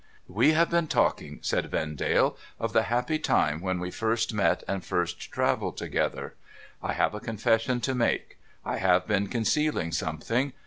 ' We have been talking,' said Vendale, ' of the happy time when we first met, and first travelled together. I have a confession to make. I have been concealing something.